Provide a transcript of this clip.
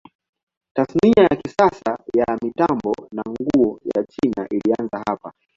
Tasnia ya kisasa ya mitambo na nguo ya China ilianza hapa.